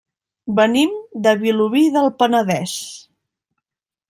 Venim de Vilobí del Penedès.